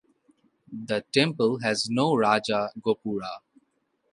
The temple has no raja gopura.